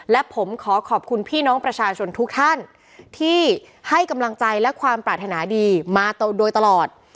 และผมขอขอบคุณพี่น้องประชาชนทุกท่านที่ให้กำลังใจและความปรารถนาดีมาโดยตลอด